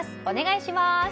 お願いします。